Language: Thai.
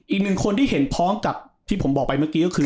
อีกหนึ่งคนที่เห็นพร้อมกับที่ผมบอกไปเมื่อกี้ก็คือ